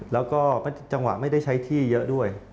แล้วก็จังหวะไม่ได้ใช้ที่เยอะด้วย